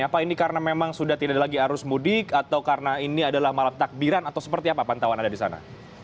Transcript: apa ini karena memang sudah tidak ada lagi arus mudik atau karena ini adalah malam takbiran atau seperti apa pantauan anda di sana